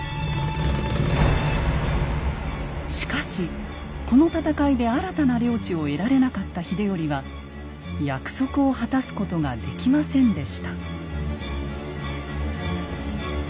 しかしこの戦いで新たな領地を得られなかった秀頼は約束を果たすことができませんでした。